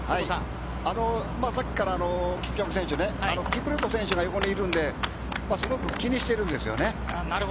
さっきからキプチョゲ選手、キプルト選手が横にいるのですごく気にしてるんですよね。